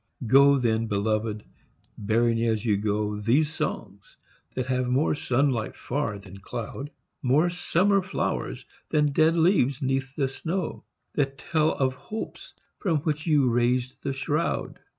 Go, then, beloved, bearing as you go These songs that have more sunlight far than cloud; More summer flowers than dead leaves 'neath the snow; That tell of hopes from which you raised the shroud.